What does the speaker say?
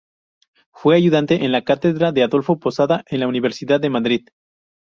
Fue ayudante en la cátedra de Adolfo Posada en la Universidad de Madrid.